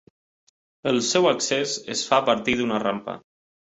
El seu accés es fa a partir d'una rampa.